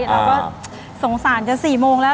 เราก็สงสารจะ๔โมงแล้ว